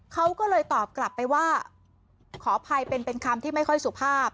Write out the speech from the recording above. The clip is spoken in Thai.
เขาก็เลยตอบกลับไปว่าขออภัยเป็นคำที่ไม่ค่อยสุภาพ